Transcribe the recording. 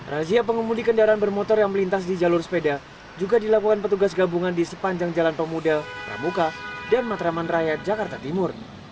razia pengemudi kendaraan bermotor yang melintas di jalur sepeda juga dilakukan petugas gabungan di sepanjang jalan pemuda pramuka dan matraman raya jakarta timur